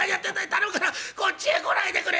頼むからこっちへ来ないでくれ」。